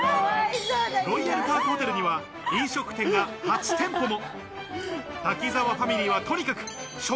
ロイヤルパークホテルには飲食店が８店舗も。